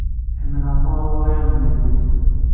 Ḥemmleɣ taɣuṛi n yedlisen.